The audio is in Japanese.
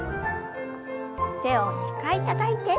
手を２回たたいて。